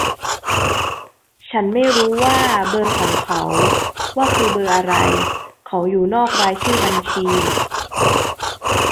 ฉันไม้รู้ว่าเบอร์ของเขาว่าคือเบอร์อะไร เขาอยู่นอกรายชื่อบัญชี